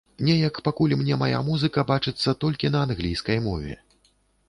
Неяк пакуль мне мая музыка бачыцца толькі на англійскай мове.